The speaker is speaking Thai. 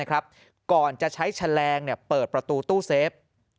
ก่อนจะใช้แฉลงเปิดประตูตู้เซฟ